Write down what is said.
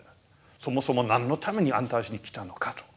そもそも何のために安泰寺に来たのかと。